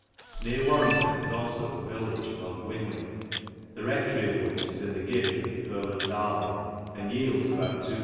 Near Warrington is alfo a village called Winwhk, he rectory of which is in the gift of the earl of Derby, and yields about 2500